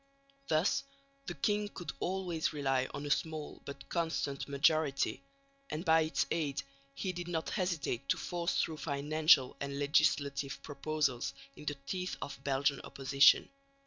Thus the king could always rely on a small but constant majority, and by its aid he did not hesitate to force through financial and legislative proposals in the teeth of Belgian opposition.